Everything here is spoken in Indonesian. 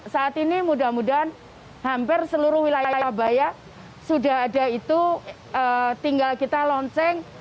saat ini mudah mudahan hampir seluruh wilayah surabaya sudah ada itu tinggal kita lonceng